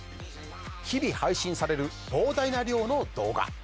日々配信される膨大な量の動画。